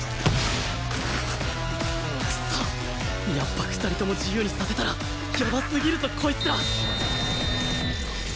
やっぱ２人とも自由にさせたらやばすぎるぞこいつら！